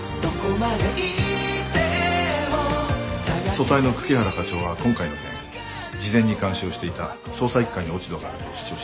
組対の久木原課長は今回の件事前に監視をしていた捜査一課に落ち度があると主張しています。